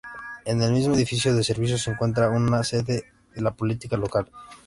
En el mismo edificio de servicios se encuentra una sede de la Policía Local.